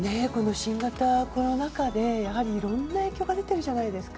新型コロナ禍でいろんな影響が出ているじゃないですか